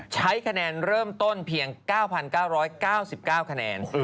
ใช้ขนาดเริ่มต้นเพียง๙๙๙๙ขนาด